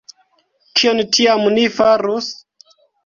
Kion tiam ni farus?